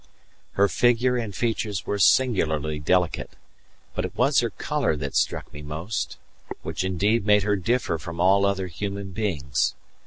Her figure and features were singularly delicate, but it was her colour that struck me most, which indeed made her differ from all other human beings.